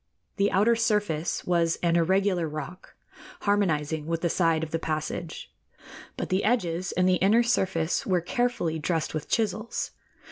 The outer surface was an irregular rock, harmonizing with the side of the passage, but the edges and the inner surface were carefully dressed with chisels.